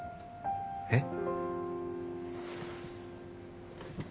えっ？